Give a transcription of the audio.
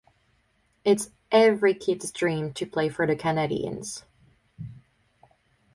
It's every kid's dream to play for the Canadiens.